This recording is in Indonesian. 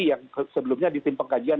yang sebelumnya di tim pengkajian